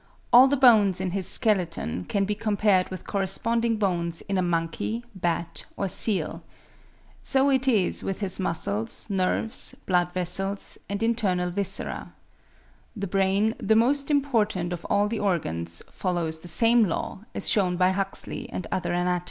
All the bones in his skeleton can be compared with corresponding bones in a monkey, bat, or seal. So it is with his muscles, nerves, blood vessels and internal viscera. The brain, the most important of all the organs, follows the same law, as shewn by Huxley and other anatomists.